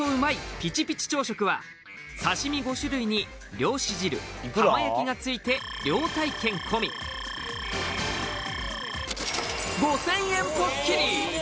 ピチピチ朝食は刺身５種類に漁師汁浜焼きが付いて漁体験込み５０００円ポッキリ！